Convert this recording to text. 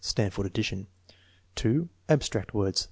(Stanford addition.) %. Abstract words.